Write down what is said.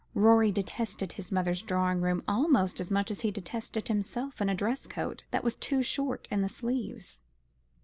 Rorie detested his mother's drawing room almost as much as he detested himself in a dress coat that was too short in the sleeves.